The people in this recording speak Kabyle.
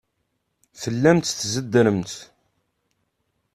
Tellamt tzeddremt.